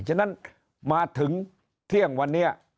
ฉะนั้นมาถึงเที่ยงวันนี้